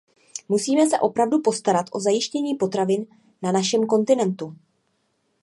Musíme se opravdu postarat o zajištění potravin na našem kontinentu.